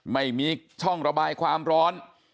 ไม่มีช่องระบายความร้อน